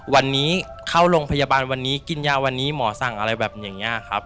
วันนี้เข้าโรงพยาบาลวันนี้กินยาวันนี้หมอสั่งอะไรแบบอย่างนี้ครับ